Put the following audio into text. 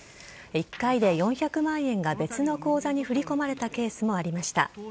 １回で４００万円が別の口座に振り込まれたケースもありました。